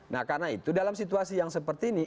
nah karena itu dalam situasi yang seperti ini